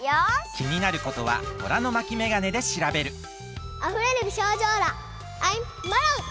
きになることは虎の巻メガネでしらべるあふれる美少女オーラアイムマロン！